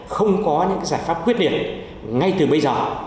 không có những giải pháp quyết liệt ngay từ bây giờ